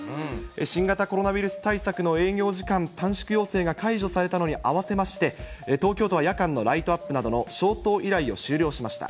新型コロナウイルス対策の営業時間短縮要請が解除されたのに合わせまして、東京都は夜間のライトアップなどの消灯依頼を終了しました。